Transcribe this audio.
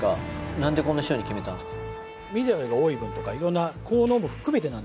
何でこの塩に決めたんですか？